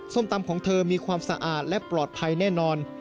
ตำของเธอมีความสะอาดและปลอดภัยแน่นอน